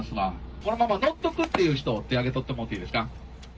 そのまま乗っとくって人、手挙げとってもらっていいですか？